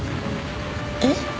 えっ？